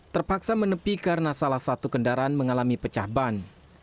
terpaksa menepi karena salah satu kendaraan mengalami pecah ban